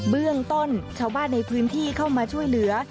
เบื้องต้นชาวบ้านในพื้นที่เข้ามาช่วยเหลือ